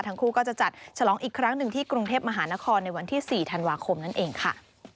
ทั้งคู่ก็จะจัดฉลองอีกครั้งหนึ่งที่กรุงเทพมหานครในวันที่๔ธันวาคมนั่นเองค่ะ